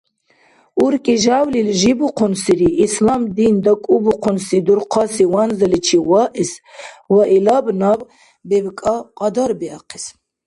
УркӀи жявлил жибухъунсири ислам дин дакӀубухъунси дурхъаси ванзаличи ваэс ва илаб наб бебкӀа кьадарбиахъес.